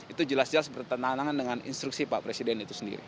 itu jelas jelas bertentangan dengan instruksi pak presiden itu sendiri